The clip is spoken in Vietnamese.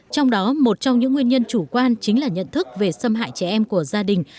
trong đó một trong những nguyên nhân chủ quan chính là nhận thức về xâm hại trẻ em của gia đình